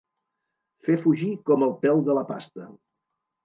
Fer fugir com el pèl de la pasta.